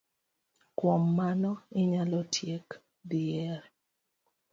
Kuom mano, inyalo tiek dhier